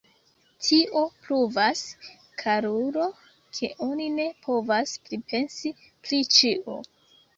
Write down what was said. Tio pruvas, karulo, ke oni ne povas pripensi pri ĉio.